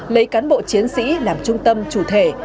lấy cán bộ chiến sĩ làm trung tâm chủ thể